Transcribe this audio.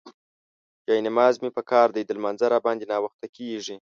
جاینماز مې پکار دی، د لمانځه راباندې ناوخته کيږي.